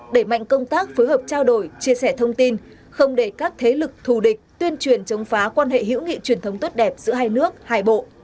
đẩy mạnh công tác phối hợp trao đổi chia sẻ thông tin không để các thế lực thù địch tuyên truyền chống phá quan hệ hữu nghị truyền thống tốt đẹp giữa hai nước hai bộ